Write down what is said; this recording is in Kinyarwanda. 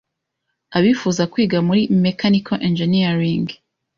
abifuza kwiga muri mechanical engineering ;